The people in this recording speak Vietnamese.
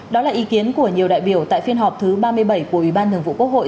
đó là ý kiến của nhiều đại biểu tại phiên họp thứ ba mươi bảy của ủy ban thường vụ quốc hội